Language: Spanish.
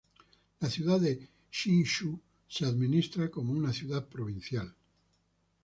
La ciudad de Hsinchu se administra como una ciudad provincial.